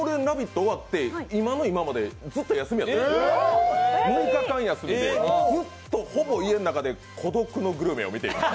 終わって今の今まで、ずっと休みやったんです、６日間休みでずっとほぼ家の中で「孤独のグルメ」を見ていました。